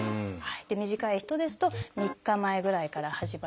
短い人ですと３日前ぐらいから始まります。